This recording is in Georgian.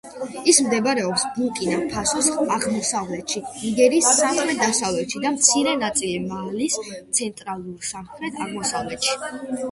ის მდებარეობს ბურკინა-ფასოს აღმოსავლეთში, ნიგერის სამხრეთ-დასავლეთში და მცირე ნაწილი მალის ცენტრალურ სამხრეთ-აღმოსავლეთში.